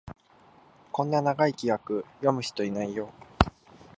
こんな長い規約、読む人いないよ